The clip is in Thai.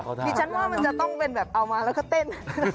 ดิฉันว่ามันจะต้องเป็นแบบเอามาแล้วก็เต้น